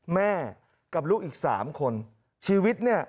แม่กับลูกอีกสามคนชีวิตเนี่ย